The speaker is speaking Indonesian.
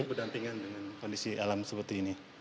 berdampingan dengan kondisi alam seperti ini